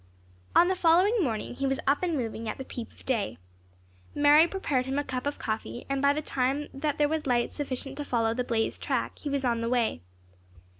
On the following morning he was up and moving at the peep of day. Mary prepared him a cup of coffee, and by the time that there was light sufficient to follow the blazed track he was on the way.